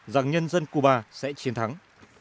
rằng nhân dân cuba sẽ chiến thắng